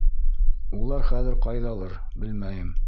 Улар хәҙер ҡайҙалыр, белмәйем.